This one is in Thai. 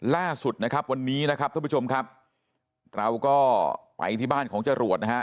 ล่าสุดนะครับวันนี้นะครับท่านผู้ชมครับเราก็ไปที่บ้านของจรวดนะฮะ